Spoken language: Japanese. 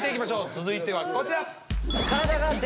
続いてはこちら。